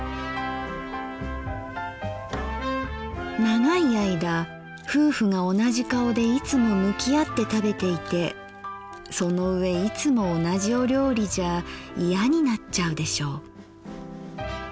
「長い間夫婦が同じ顔でいつも向き合って食べていてその上いつも同じお料理じゃ嫌になっちゃうでしょう。